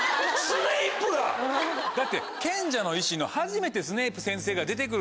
だって『賢者の石』の初めてスネイプ先生が出て来る